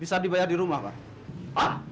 bisa dibayar di rumah pak